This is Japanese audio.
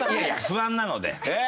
不安なので。